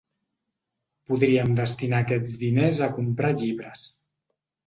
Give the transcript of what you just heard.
Podríem destinar aquests diners a comprar llibres.